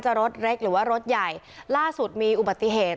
รถเล็กหรือว่ารถใหญ่ล่าสุดมีอุบัติเหตุ